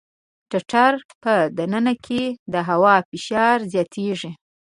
د ټټر په د ننه کې د هوا فشار زیاتېږي.